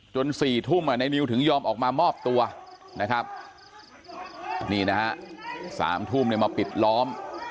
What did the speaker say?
๔ทุ่มในนิวถึงยอมออกมามอบตัวนะครับนี่นะฮะ๓ทุ่มเนี่ยมาปิดล้อม